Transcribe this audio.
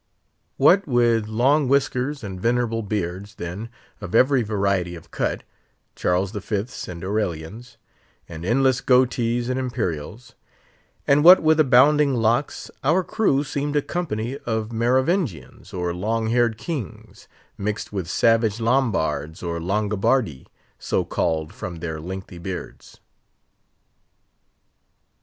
What with long whiskers and venerable beards, then, of every variety of cut—Charles the Fifth's and Aurelian's—and endless goatees and imperials; and what with abounding locks, our crew seemed a company of Merovingians or Long haired kings, mixed with savage Lombards or Longobardi, so called from their lengthy beards.